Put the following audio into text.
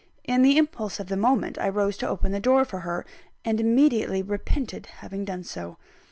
In the impulse of the moment, I rose to open the door for her; and immediately repented having done so.